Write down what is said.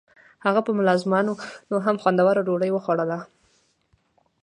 هغه به په ملازمانو هم خوندوره ډوډۍ خوړوله.